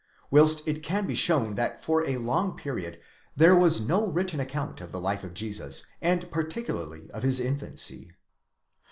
whilst it can be shown that for a long period there was no written account of the life of Jesus, and particularly of his infancy.